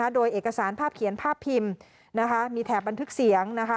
โดยเอกสารภาพเขียนภาพพิมพ์มีแถบบันทึกเสียง